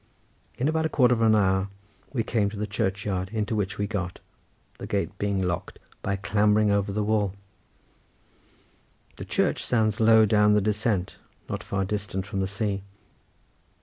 In about a quarter of an hour we came to the churchyard into which we got, the gate being locked, by clambering over the wall. The church stands low down the descent, not far distant from the sea.